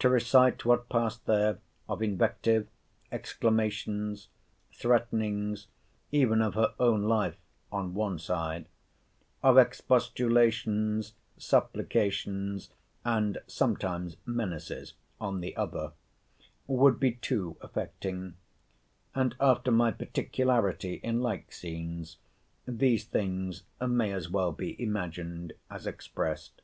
To recite what passed there of invective, exclamations, threatenings, even of her own life, on one side; of expostulations, supplications, and sometimes menaces, on the other; would be too affecting; and, after my particularity in like scenes, these things may as well be imagined as expressed.